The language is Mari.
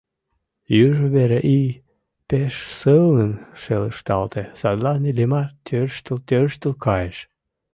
Южо вере ий пеш сылнын шелышталте, садлан Иллимар тӧрштыл-тӧрштыл кайыш.